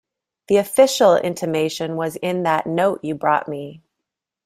The official intimation was in that note you brought me.